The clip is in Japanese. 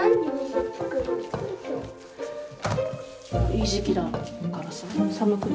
いい時期だからさ寒く